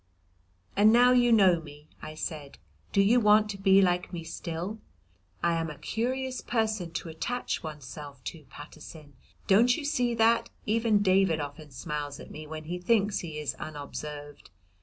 "And now you know me," I said, "do you want to be like me still? I am a curious person to attach oneself to, Paterson; don't you see that even David often smiles at me when he thinks he is unobserved.